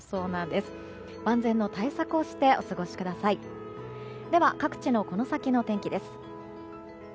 では各地のこの先の天気です。